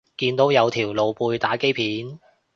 見到有條露背打機片